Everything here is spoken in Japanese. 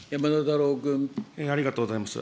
ありがとうございます。